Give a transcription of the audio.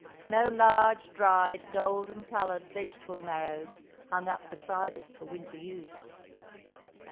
No large, dried, golden coloured vegetable marrows hung up beside it for winter use.